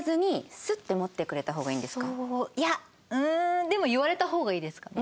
いやうーんでも言われた方がいいですかね。